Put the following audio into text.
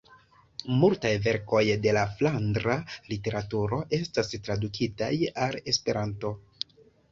Multaj verkoj de la flandra literaturo estas tradukitaj al Esperanto.